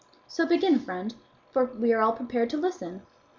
So begin, friend, for we are all prepared to listen."